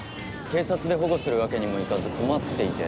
警察で保護するわけにもいかず困っていて。